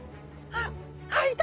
あっいた！